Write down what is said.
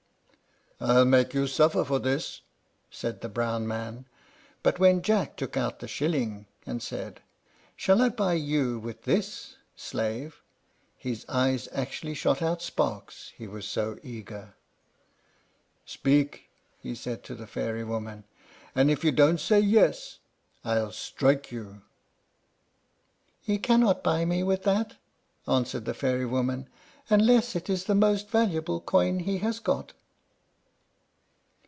"I'll make you suffer for this," said the brown man. But when Jack took out the shilling, and said, "Shall I buy you with this, slave?" his eyes actually shot out sparks, he was so eager. "Speak!" he said to the fairy woman; "and if you don't say 'Yes,' I'll strike you." "He cannot buy me with that," answered the fairy woman, "unless it is the most valuable coin he has got."